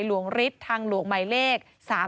หลวงฤทธิ์ทางหลวงไม่เลข